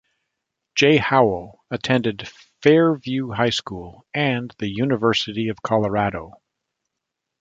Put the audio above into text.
Jay Howell attended Fairview High School and the University of Colorado.